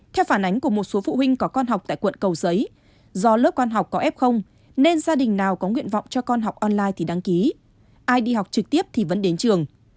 theo phản ánh của một số phụ huynh có con học tại quận cầu giấy do lớp quan học có f nên gia đình nào có nguyện vọng cho con học online thì đăng ký ai đi học trực tiếp thì vẫn đến trường